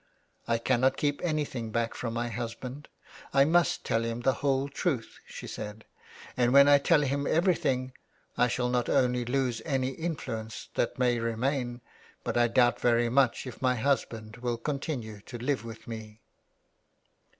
" I cannot keep anything back from my husband. I must tell him the whole truth," she said. " And when I tell him everything, I shall not only lose any influence that may remain, but I doubt very much if my husband will continue to live with me."